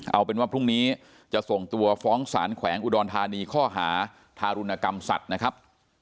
เอาเป็นว่าพรุ่งนี้จะส่งตัวฟ้องสารแขวงอุดรธานีข้อหาทารุณกรรมสัตว์นะครับ